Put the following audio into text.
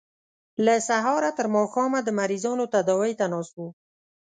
له سهاره تر ماښامه د مریضانو تداوۍ ته ناست وو.